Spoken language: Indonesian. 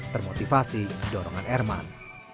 termotivasi dorongan erman